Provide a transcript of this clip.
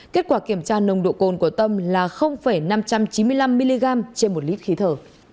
kết quả kiểm tra nồng độ cồn của tâm là năm trăm chín mươi năm mg trên một lít khí thở